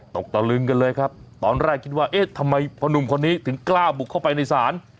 ตะลึงกันเลยครับตอนแรกคิดว่าเอ๊ะทำไมพ่อหนุ่มคนนี้ถึงกล้าบุกเข้าไปในศาล